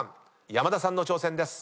山田さんの挑戦です。